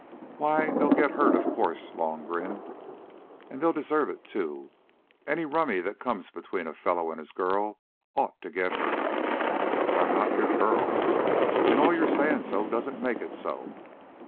"Why, they'll get hurt, of course," Long grinned. "And they'll deserve it, too. Any rummy that comes between a fellow an' his girl ought to get hurt." "But I'm not your girl, and all your saying so doesn't make it so."